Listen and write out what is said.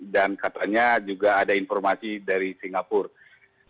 dan katanya juga ada informasi dari singapura